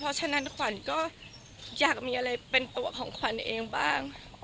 เพราะฉะนั้นขวัญก็อยากมีอะไรเป็นตัวของขวัญเองบ้าง